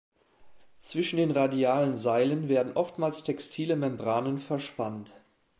Zwischen den radialen Seilen werden oftmals textile Membranen verspannt.